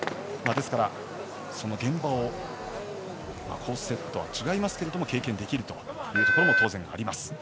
ですから、現場のコースセットは違いますけれども経験できるというところも当然あります。